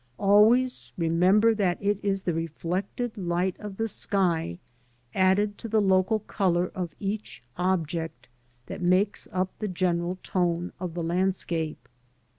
Always remember that it is the reflected light of the sky added to the local colour of each object that makes up the general tone of the landscape.